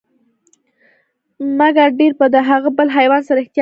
مګر ډیر به د هغه بل حیوان سره احتياط کوئ،